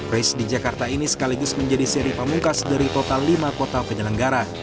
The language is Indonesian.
race di jakarta ini sekaligus menjadi seri pamungkas dari total lima kota penyelenggara